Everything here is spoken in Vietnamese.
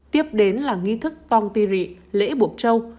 tiếp đến là nghi thức pong tì rị lễ buộc trâu